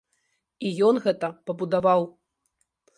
І ён гэта пабудаваў.